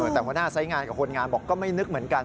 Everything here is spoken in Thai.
แต่หัวหน้าสายงานกับคนงานบอกก็ไม่นึกเหมือนกัน